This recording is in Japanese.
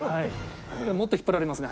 もっと引っ張られますね。